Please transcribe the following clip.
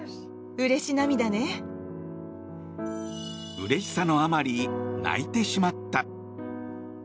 うれしさのあまり泣いてしまった。